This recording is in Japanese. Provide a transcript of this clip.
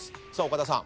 岡田さん